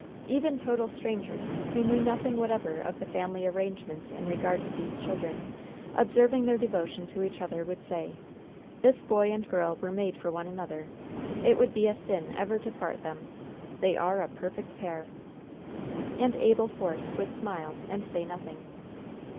Even total strangers, who knew nothing whatever of the family arrangements in regard to these children, observing their devotion to each other, would say: "This boy and girl were made for one another. It would be a sin ever to part them. They are a perfect pair." And Abel Force would smile and say nothing.